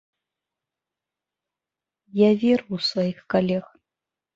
Я веру ў сваіх калег.